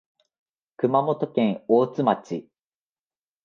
熊本県大津町